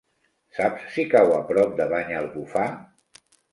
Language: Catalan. Saps si cau a prop de Banyalbufar?